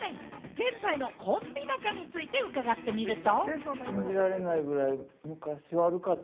現在のコンビ仲について伺ってみると。